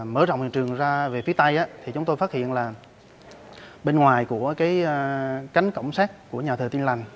mở rộng hiện trường ra về phía tây thì chúng tôi phát hiện là bên ngoài của cánh cổng sát của nhà thờ tiên lành